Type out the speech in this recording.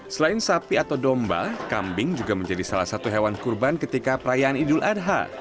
selain sapi atau domba kambing juga menjadi salah satu hewan kurban ketika perayaan idul adha